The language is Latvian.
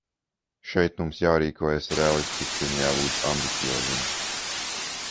Šeit mums jārīkojas reālistiski un jābūt ambicioziem.